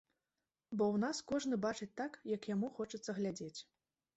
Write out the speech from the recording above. Бо ў нас кожны бачыць так, як яму хочацца глядзець.